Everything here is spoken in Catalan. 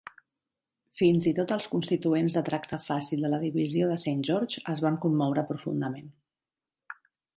Fins i tot els constituents de tracte fàcil de la divisió de Saint George es van commoure profundament.